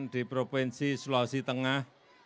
di provinsi sulawesi tengah